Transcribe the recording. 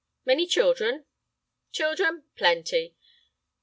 "Many children?" "Children? Plenty.